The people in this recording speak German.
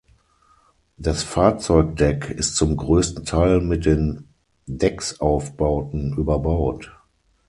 Das Fahrzeugdeck ist zum größten Teil mit den Decksaufbauten überbaut.